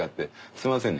すいませんね。